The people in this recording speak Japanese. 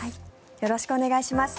よろしくお願いします。